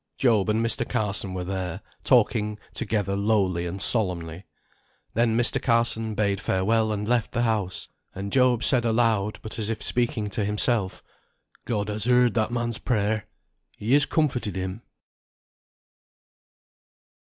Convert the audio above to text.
Job and Mr. Carson were there, talking together lowly and solemnly. Then Mr. Carson bade farewell and left the house; and Job said aloud, but as if speaking to himself, "God has heard that man's prayer. He has comforted him."